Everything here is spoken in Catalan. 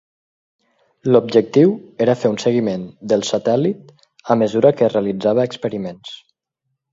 L'objectiu era fer un seguiment del satèl·lit a mesura que es realitzava experiments.